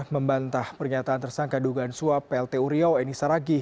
membantah pernyataan tersangka dugaan suap plt uriau eni saragih